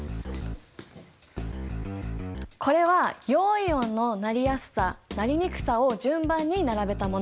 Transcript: これは陽イオンのなりやすさなりにくさを順番に並べたもの。